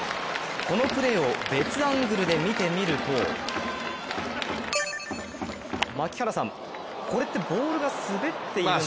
このプレーを別アングルで見てみると槙原さん、これってボールが滑っているんですか？